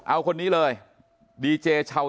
เอาคนนี้เลยดีเจชาว